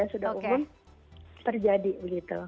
yang sudah umum terjadi gitu